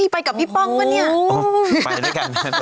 ไปกับพี่ป้องปะเนี่ย